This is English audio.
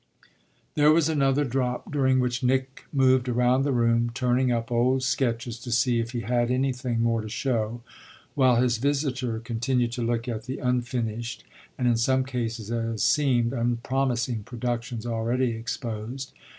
There was another drop during which Nick moved about the room turning up old sketches to see if he had anything more to show, while his visitor continued to look at the unfinished and in some cases, as seemed, unpromising productions already exposed.